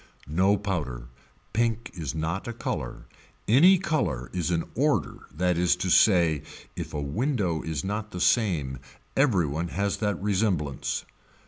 No powder, pink is not a color, any color is an order that is to say if a window is not the same every one has that resemblance.